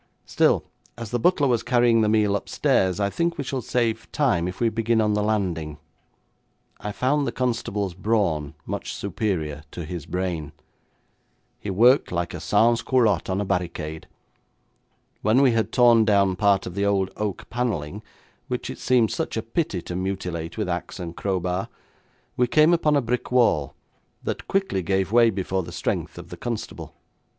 Still, as the butler was carrying the meal upstairs I think we shall save time if we begin on the landing.' I found the constable's brawn much superior to his brain. He worked like a sansculotte on a barricade. When we had torn down part of the old oak panelling, which it seemed such a pity to mutilate with axe and crowbar, we came upon a brick wall, that quickly gave way before the strength of the constable.